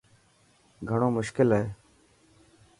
گھڻو مشڪل هي.